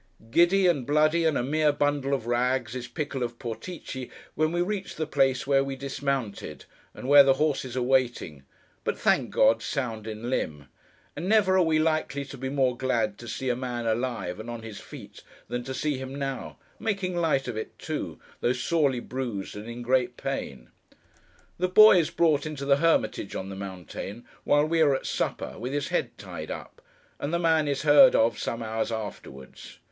Giddy, and bloody, and a mere bundle of rags, is Pickle of Portici when we reach the place where we dismounted, and where the horses are waiting; but, thank God, sound in limb! And never are we likely to be more glad to see a man alive and on his feet, than to see him now—making light of it too, though sorely bruised and in great pain. The boy is brought into the Hermitage on the Mountain, while we are at supper, with his head tied up; and the man is heard of, some hours afterwards.